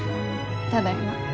ただいま。